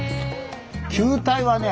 球体はね